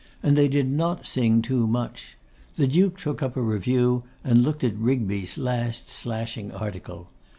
And they did not sing too much. The Duke took up a review, and looked at Rigby's last slashing article.